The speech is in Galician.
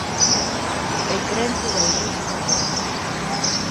É crente da Igrexa católica.